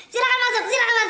silahkan masuk silahkan masuk